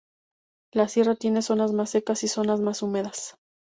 La sierra tiene zonas más secas y zonas más húmedas.